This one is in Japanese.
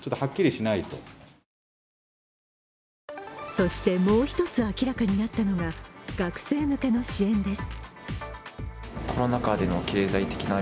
そしてもう一つ明らかになったのが学生向けの支援です。